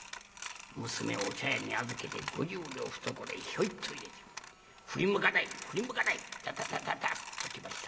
娘をお茶屋に預けて５０両を懐へヒョイッと入れて振り向かない振り向かないダダダダダッと来ました。